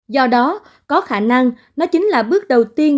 do đó có khả năng đó chính là bước đầu tiên